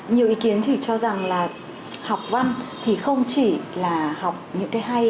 nhiều ý kiến chỉ cho rằng là học văn thì không chỉ là học những cái hay